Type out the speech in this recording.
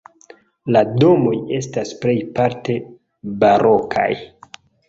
La domoj estas plejparte barokaj.